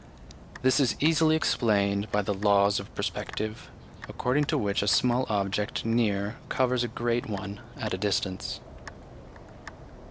This is easily explained by the laws of perspective, according to which a small object near covers a great one at a distance.